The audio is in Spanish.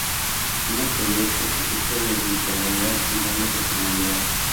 Una pediatra que sufre de bipolaridad y doble personalidad.